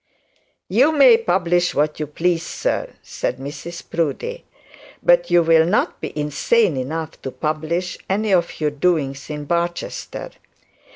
'You may publish as you please, sir,' said Mrs Proudie. 'But you will not be insane enough to publish any of your doings in Barchester.